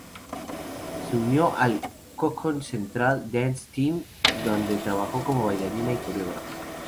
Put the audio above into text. Se unió al Cocoon Central Dance Team, donde trabajó como bailarina y coreógrafa.